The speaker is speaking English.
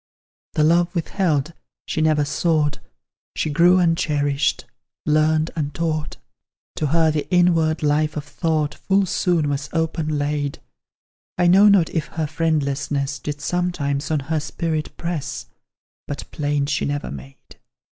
The love withheld she never sought, She grew uncherished learnt untaught; To her the inward life of thought Full soon was open laid. I know not if her friendlessness Did sometimes on her spirit press, But plaint she never made.